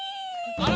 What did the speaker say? あれ？